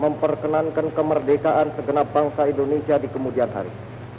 memperkenankan kemerdekaan segenap bangsa indonesia di kemudian hari